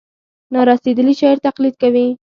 نا رسېدلي شاعر تقلید کوي.